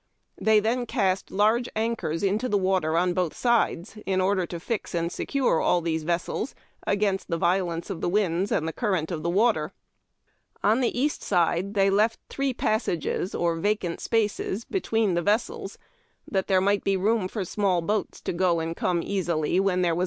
They then cast large anchors' into the water on both sides, in order to fix and secure all these A^essels against the violence of the winds and the cur rent of the water. On the east side they left three passages or vacant spaces, between tlie vessels, that there might be room for small boats to go and come easily, when there was THE 1 rvAISE. AliMV BOAD AND BllIDGE BUILDERS.